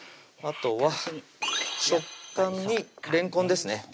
あとは食感にれんこんですね